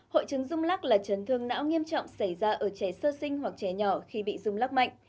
hội chứng dung lắc là trấn thương não nghiêm trọng xảy ra ở trẻ sơ sinh hoặc trẻ nhỏ khi bị dung lắc mạnh